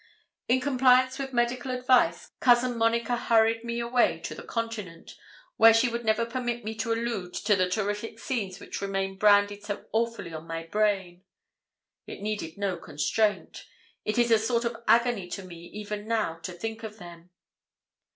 In compliance with medical advice, cousin Monica hurried me away to the Continent, where she would never permit me to allude to the terrific scenes which remain branded so awfully on my brain. It needed no constraint. It is a sort of agony to me even now to think of them.